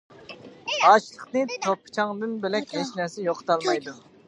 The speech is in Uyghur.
ئاچلىقىنى توپا-چاڭدىن بۆلەك ھېچ نەرسە يوقىتالمايدۇ.